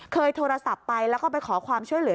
โทรศัพท์ไปแล้วก็ไปขอความช่วยเหลือ